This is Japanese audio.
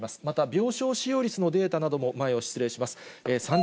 また、病床使用率のデータなども、前を失礼します。